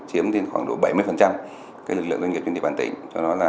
chiếm đến khoảng độ bảy mươi lực lượng doanh nghiệp trên địa bàn tỉnh